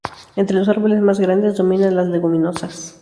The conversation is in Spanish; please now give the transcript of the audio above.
Entre los árboles más grandes dominan las leguminosas.